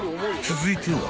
［続いては？］